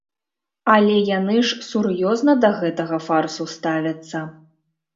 Але яны ж сур'ёзна да гэтага фарсу ставяцца.